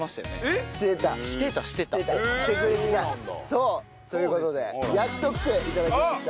そう。という事でやっと来ていただきました